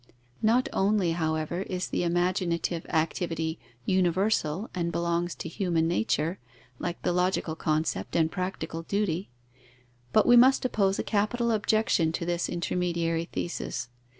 Not only, however, is the imaginative activity universal and belongs to human nature, like the logical concept and practical duty; but we must oppose a capital objection to this intermediary thesis.